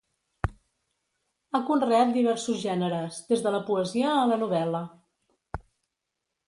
Ha conreat diversos gèneres, des de la poesia a la novel·la.